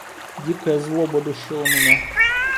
Дикая злоба душила меня.